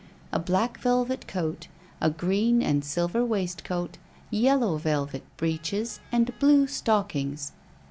A black velvet coat, a green and silver waistcoat, yellow velvet breeches, and blue stockings.